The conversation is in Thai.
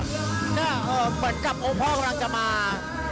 ก็เหมือนกับองค์พ่อกำลังจะมา